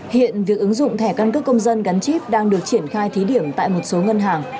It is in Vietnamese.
hiện việc ứng dụng thẻ căn cước công dân gắn chip đang được triển khai thí điểm tại một số ngân hàng